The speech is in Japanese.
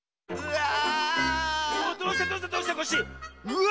うわ！